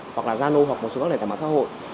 hoặc là zano hoặc một số các lệnh tài mạng xã hội